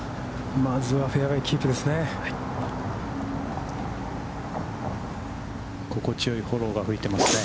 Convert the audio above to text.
まずはフェアウェイキープですね。